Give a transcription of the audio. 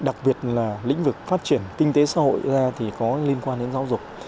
đặc biệt là lĩnh vực phát triển kinh tế xã hội ra thì có liên quan đến giáo dục